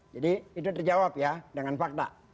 jadi itu terjawab ya dengan fakta